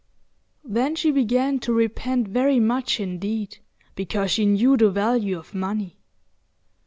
Then she began to repent very much indeed, because she knew the value of money.